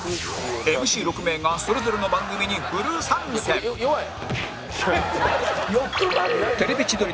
ＭＣ６ 名がそれぞれの番組にフル参戦！に挑戦うええ。